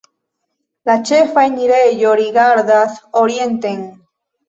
La ĉefa enirejo rigardas orienten.